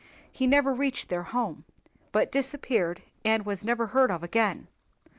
He never reached their home, but disappeared and was never heard of again.